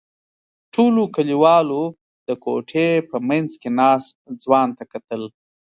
ټولو کلیوالو د کوټې په منځ کې ناست ځوان ته کتل.